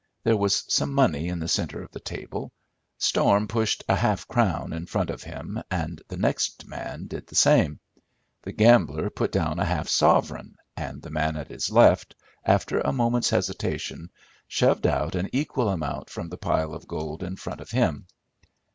There was some money in the centre of the table. Storm pushed a half crown in front of him, and the next man did the same. The gambler put down a half sovereign, and the man at his left, after a moment's hesitation, shoved out an equal amount from the pile of gold in front of him.